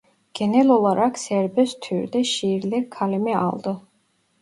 Genel olarak serbest türde şiirler kaleme aldı.